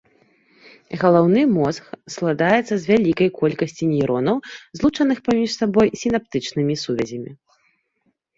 Галаўны мозг складаецца з вялікай колькасці нейронаў, злучаных паміж сабой сінаптычнымі сувязямі.